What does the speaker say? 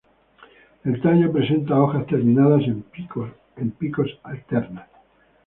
El tallo presenta hojas terminadas en pico alternas.